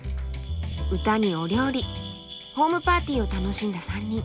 歌にお料理ホームパーティーを楽しんだ３人。